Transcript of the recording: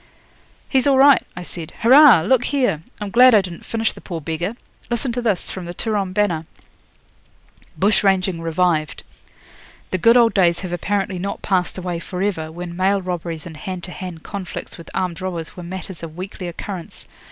'He's all right,' I said. 'Hurrah! look here. I'm glad I didn't finish the poor beggar. Listen to this, from the "Turon Banner": 'BUSH RANGING REVIVED. 'The good old days have apparently not passed away for ever, when mail robberies and hand to hand conflicts with armed robbers were matters of weekly occurrence.